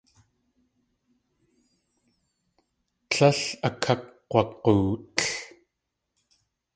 Tlél akakg̲wag̲ootl.